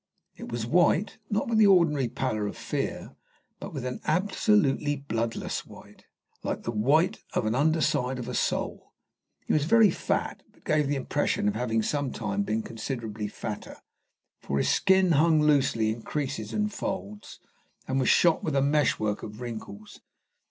It was white, not with the ordinary pallor of fear but with an absolutely bloodless white, like the under side of a sole. He was very fat, but gave the impression of having at some time been considerably fatter, for his skin hung loosely in creases and folds, and was shot with a meshwork of wrinkles.